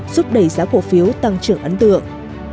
giúp đẩy giá cổ phiếu tăng trưởng ấn tượng